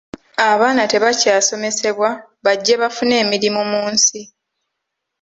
Abaana tebakyasomesebwa bajje bafune emirimu mu nsi